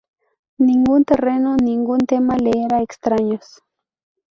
Ningún terreno, ningún tema le era extraños.